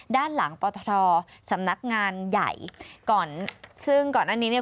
ด้านหลังปทสำนักงานใหญ่ก่อนซึ่งก่อนหน้านี้เนี่ย